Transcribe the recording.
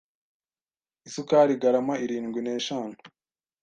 Isukari garama irindwi neshanu